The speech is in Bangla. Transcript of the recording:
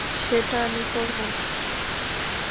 সেটা আমি করব না।